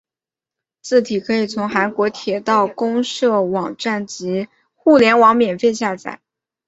字体可以从韩国铁道公社网站及互联网上免费下载。